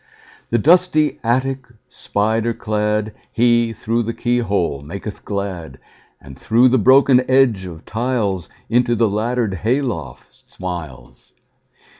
The dusty attic spider cladHe, through the keyhole, maketh glad; And through the broken edge of tiles, Into the laddered hay loft smiles.